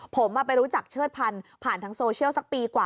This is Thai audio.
ผมไปรู้จักเชิดพันธุ์ผ่านทางโซเชียลสักปีกว่า